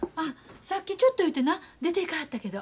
さっきちょっと言うてな出ていかはったけど。